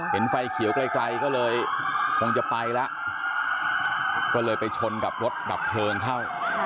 เห็นไฟเขียวไกลก็เลยคงจะไปแล้วก็เลยไปชนกับรถดับเพลิงเข้า